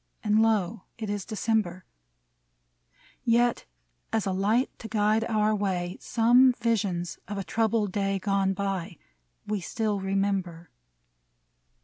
And, lo ! it is December ; Yet, as a light to guide our way, 169 MEMORIAL ODE Some visions of a troubled day Gone by we still remember.